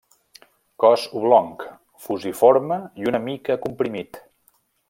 Cos oblong, fusiforme i una mica comprimit.